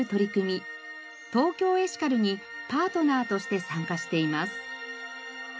ＴＯＫＹＯエシカルにパートナーとして参加しています。